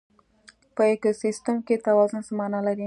په ایکوسیستم کې توازن څه مانا لري؟